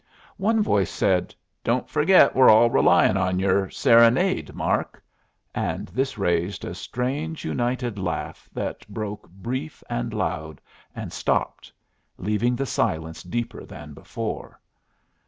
One voice said, "Don't forgit we're all relyin' on yer serenade, Mark," and this raised a strange united laugh that broke brief and loud, and stopped, leaving the silence deeper than before.